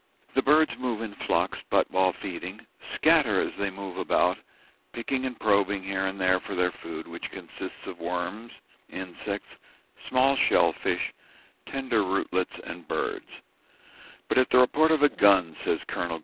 The birds move in flocks, but, while feeding, scatter as they move about, picking and probing here and there for their food, which consists of worms, insects, small shell fish, tender rootlets, and birds; "but at the report of a gun," says Col.